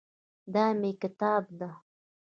دا مېکتاب ده